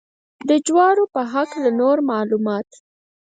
د جوارو په هکله نور معلومات.